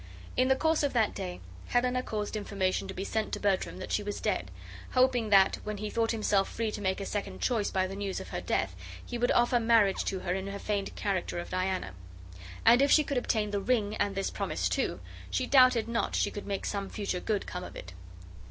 In the course of that day Helena caused information to be sent to Bertram that she was dead, hoping that, when he thought himself free to make a second choice by the news of her death, he would offer marriage to her in her feigned character of Diana. And if she could obtain the ring and this promise, too, she doubted not she should make some future good come of it.